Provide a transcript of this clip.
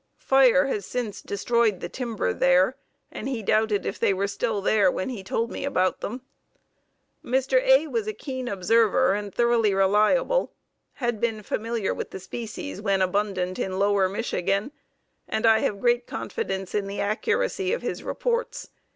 Fire has since destroyed the timber there and he doubted if they were still there when he told me about them. Mr. A. was a keen observer and thoroughly reliable; had been familiar with the species when abundant in lower Michigan, and I have great confidence in the accuracy of his reports.